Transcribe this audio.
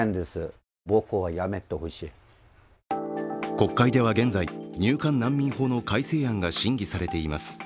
国会では現在、入管難民法の改正案が審議されています。